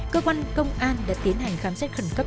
cơ quan công an đã tiến hành khám xét khẩn cấp